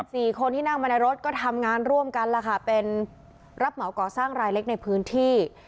สี่คนที่นั่งมาในรถก็ทำงานร่วมกันล่ะค่ะเป็นรับเหมาก่อสร้างรายเล็กในพื้นที่